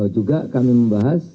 juga kami membahas